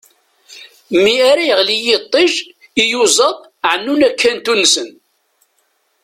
Mi ara yeɣli yiṭij, iyuzaḍ ɛennun akantu-nsen.